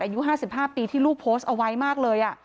อายุ๕๕ปีที่ลูกโพสต์เอาไว้มากเลย